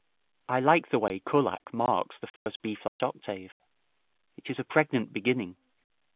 I like the way Kullak marks the first B flat octave. It is a pregnant beginning.